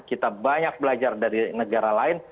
kita banyak belajar dari negara lain